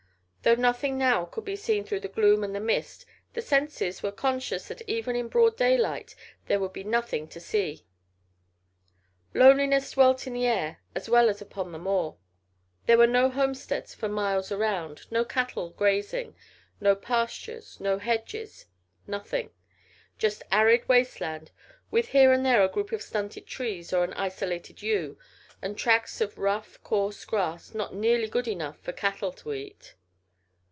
Though nothing now could be seen through the gloom and the mist, the senses were conscious that even in broad daylight there would be nothing to see. Loneliness dwelt in the air as well as upon the moor. There were no homesteads for miles around, no cattle grazing, no pastures, no hedges, nothing just arid wasteland with here and there a group of stunted trees or an isolated yew, and tracts of rough, coarse grass not nearly good enough for cattle to eat.